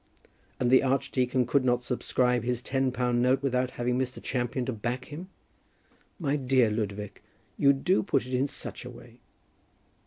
"And the archdeacon could not subscribe his ten pound note without having Mr. Champion to back him?" "My dear Ludovic, you do put it in such a way."